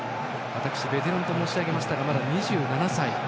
ベテランと申し上げましたがまだ２７歳。